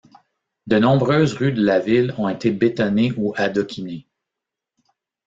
De nombreuses rues de la ville ont été bétonnées ou adoquinées.